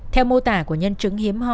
theo mô tả của nhân chứng hiếm hoa